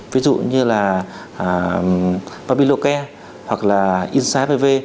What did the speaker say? ví dụ như là papiluke hoặc là insight hpv